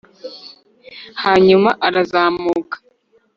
hanyuma arazamuka